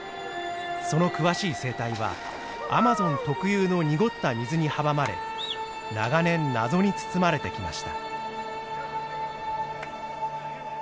その詳しい生態はアマゾン特有の濁った水に阻まれ長年謎に包まれてきました。